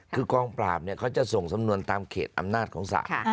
คือกองปราบเขาจะส่งสำนวนตามเขตอำนาจของศาล